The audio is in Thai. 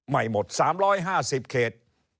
ไม่หมด๓๕๐เขต